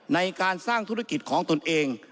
ในการสร้างธุรกิจของตนเอง